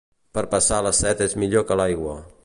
Per passar la set és millor que l'aigua.